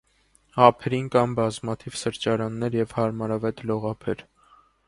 Ափերին կան բազմաթիվ սրճարաններ և հարմարավետ լողափեր։